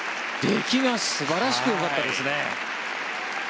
出来が素晴らしくよかったですね。